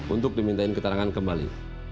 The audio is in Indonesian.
untuk dimintain ketarangan kembali